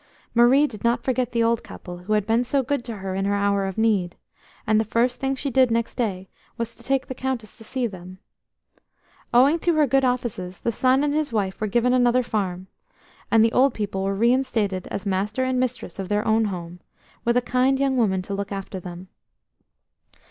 Marie did not forget the old couple, who had been so good to her in her hour of need, and the first thing she did next day was to take the Countess to see them. Owing to her good offices, the son and his wife were given another farm, and the old people were reinstated as master and mistress of their own home, with a kind young woman to look after them.